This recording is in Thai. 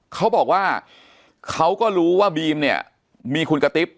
เขาบอกว่าเขาก็รู้ว่าบีมเนี่ยมีคุณกะติ๊บ